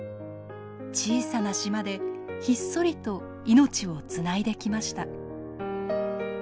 小さな島でひっそりと命をつないできました。